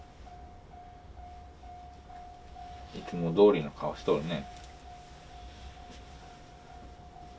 いつもどおりの顔しとるね。